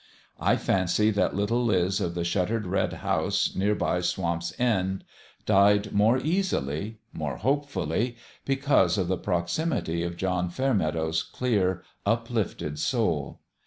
I fancy that little Liz of the shuttered red house near by Swamp's End died more easily more hopefully 216 ON THE GRADE because of the proximity of John Fairmeadow's clear, uplifted soul.